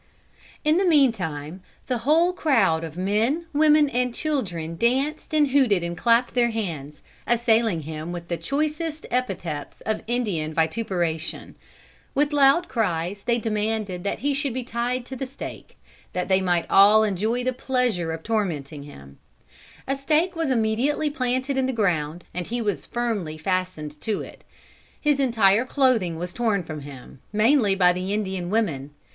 "In the mean time the whole crowd of men, women and children danced and hooted and clapped their hands, assailing him with the choicest epithets of Indian vituperation. With loud cries they demanded that he should be tied to the stake, that they might all enjoy the pleasure of tormenting him. A stake was immediately planted in the ground, and he was firmly fastened to it. His entire clothing was torn from him, mainly by the Indian women.